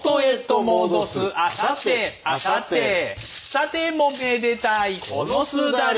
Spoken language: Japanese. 「さてもめでたいこのすだれ」